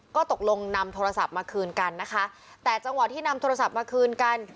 ก็ตกลงนำโทรศัพท์มาคืนกันนะคะแต่จังหวะที่นำโทรศัพท์มาคืนกัน